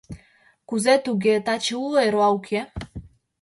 — Кузе туге — таче уло, эрла уке?